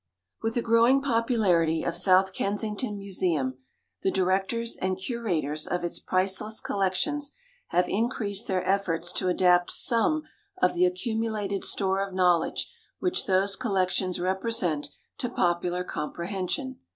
With the growing popularity of South Kensington Museum the directors and curators of its priceless collections have increased their efforts to adapt some of the accumulated store of knowledge which those collections represent to popular comprehension.